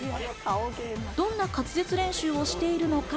どんな滑舌練習をしているのか。